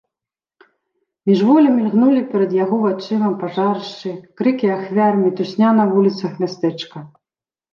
Міжволі мільгнулі перад яго вачыма пажарышчы, крыкі ахвяр, мітусня на вуліцах мястэчка.